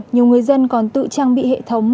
nhiều người dân còn tự trang bị hệ thống